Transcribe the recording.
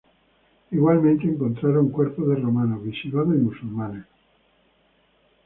Igualmente encontraron cuerpos de romanos, visigodos y musulmanes.